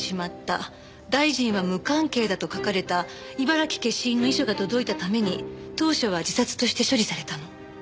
大臣は無関係だ」と書かれた茨城消印の遺書が届いたために当初は自殺として処理されたの。